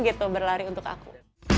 gitu berlari untuk aku